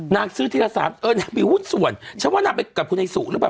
นางซื้อทีละสามเออนางมีหุ้นส่วนฉันว่านางไปกับคุณไอสุหรือเปล่า